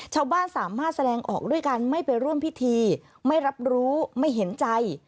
ชาวบ้านสามารถแสดงออกด้วยการไม่ไปร่วมพิธีไม่รับรู้ไม่เห็นใจ